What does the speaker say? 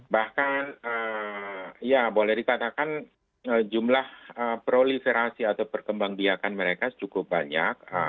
bahkan ya boleh dikatakan jumlah proliferasi atau perkembang biakan mereka cukup banyak